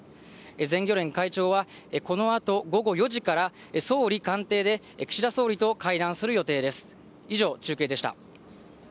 全漁連会長は、このあと午後４時から、総理官邸で岸田総理と会談する予定です。